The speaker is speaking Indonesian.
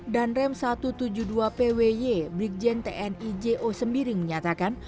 dan rem satu ratus tujuh puluh dua pwy brikjen tni jo sembiring menyatakan